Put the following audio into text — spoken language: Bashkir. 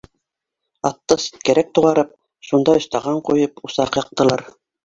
Атты ситкәрәк туғарып, шунда өстаған ҡуйып, усаҡ яҡтылар.